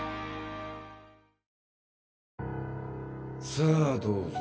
さあどうぞ。